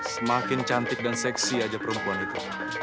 semakin cantik dan seksi aja perempuan itu